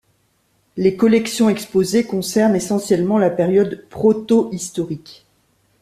Les collections exposées concernent essentiellement la période protohistorique.